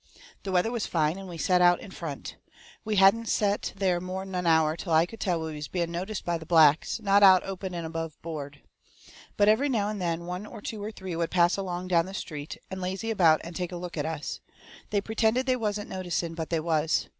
The weather was fine, and we set out in front. We hadn't set there more'n an hour till I could tell we was being noticed by the blacks, not out open and above board. But every now and then one or two or three would pass along down the street, and lazy about and take a look at us. They pertended they wasn't noticing, but they was.